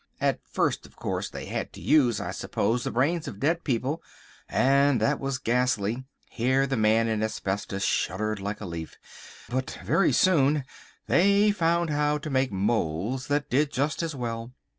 At first, of course, they had to use, I suppose, the brains of dead people, and that was ghastly"—here the Man in Asbestos shuddered like a leaf—"but very soon they found how to make moulds that did just as well.